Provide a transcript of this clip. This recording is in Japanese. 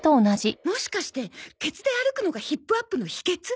もしかしてケツで歩くのがヒップアップの秘訣？